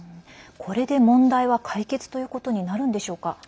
これで問題は解決ということになるんでしょうか？